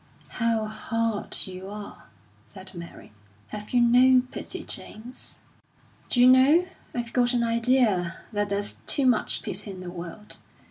"How hard you are!" said Mary. "Have you no pity, James?" "D'you know, I've got an idea that there's too much pity in the world.